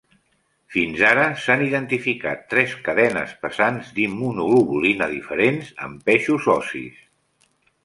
Fins ara s'han identificat tres cadenes pesants d'immunoglobulina diferents en peixos ossis.